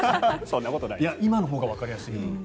今のほうがわかりやすい。